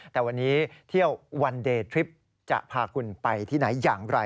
แต่วันนี้เที่ยววันเดย์ทริปจะพาคุณไปที่ไหนอย่างไร